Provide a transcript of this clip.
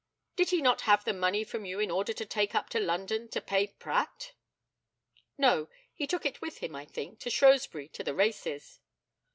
Did he not have the money from you in order to take up to London to pay Pratt? No, he took it with him, I think, to Shrewsbury, to the races.